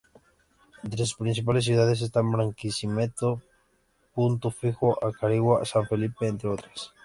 Entre sus principales ciudades están Barquisimeto, Punto Fijo, Acarigua, San Felipe, entre otras.